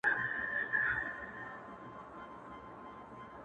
• له سهاره په ژړا پیل کوو ورځي ,